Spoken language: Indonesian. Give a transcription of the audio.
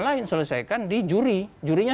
lain selesaikan di juri jurinya